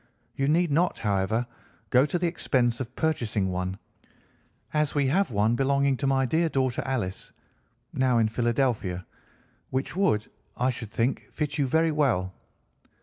You need not, however, go to the expense of purchasing one, as we have one belonging to my dear daughter Alice (now in Philadelphia), which would, I should think, fit you very well.